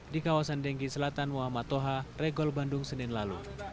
di kawasan denggi selatan muhammad toha regol bandung senin lalu